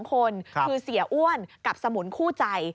๒คนคือเสียอ้วนกับสมุนคู่ใจ